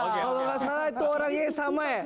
kalau tidak salah itu orangnya yang sama ya